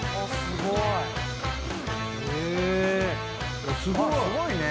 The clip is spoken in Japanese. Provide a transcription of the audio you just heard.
すごいね。